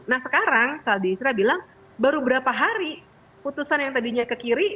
nah sekarang saldi isra bilang baru berapa hari putusan yang tadinya ke kiri